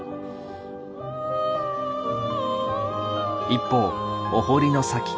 一方お堀の先。